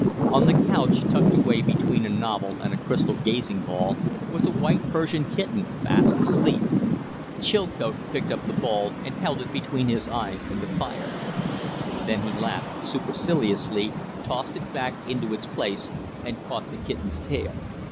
On the couch, tucked away between a novel and a crystal gazing ball, was a white Persian kitten, fast asleep. Chilcote picked up the ball and held it between his eyes and the fire; then he laughed superciliously, tossed it back into its place, and caught the kitten's tail.